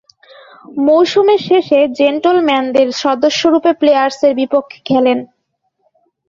মৌসুমে শেষে জেন্টলম্যানের সদস্যরূপে প্লেয়ার্সের বিপক্ষে খেলেন।